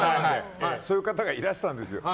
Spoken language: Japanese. そういう方がいらしたんですよ。